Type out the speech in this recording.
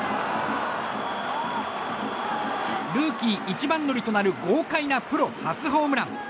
ルーキー一番乗りとなる豪快なプロ初ホームラン。